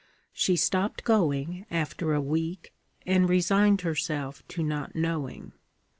She stopped going, after a week, and resigned herself to not knowing.